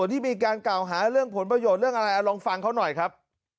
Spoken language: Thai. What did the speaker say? ที่มีการกล่าวหาเรื่องผลประโยชน์เรื่องอะไรลองฟังเขาหน่อยครับ